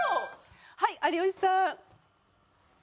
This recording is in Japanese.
はい有吉さん。